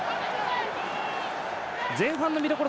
前半の見どころ